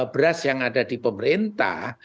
beras yang ada di pemerintah